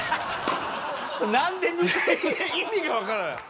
意味がわからない。